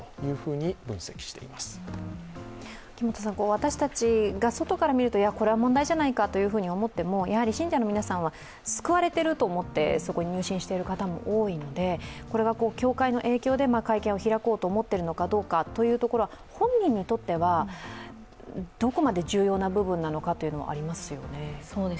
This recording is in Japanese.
私たちが外から見ると、これは問題じゃないかと思っても、信者の皆さんは、救われていると思って入信している方も多いので教会の影響で会見を開こうと思っているのかどうかというところは、本人にとってはどこまで重要な部分なのかというのはありますよね。